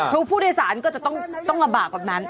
ถูกทุกผู้โดยสารก็จะต้องระบากแบบนั้น